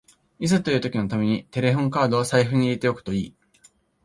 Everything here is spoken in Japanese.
いざという時のためにテレホンカードを財布に入れておくといい